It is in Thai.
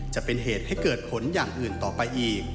จะเป็นเหตุให้เกิดผลอย่างอื่นต่อไปอีก